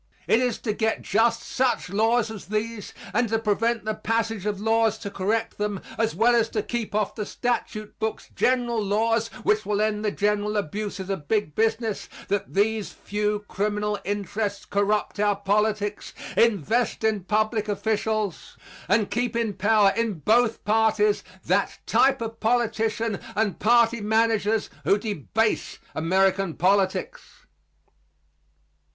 It is to get just such laws as these and to prevent the passage of laws to correct them, as well as to keep off the statute books general laws which will end the general abuses of big business that these few criminal interests corrupt our politics, invest in public officials and keep in power in both parties that type of politicians and party managers who debase American politics.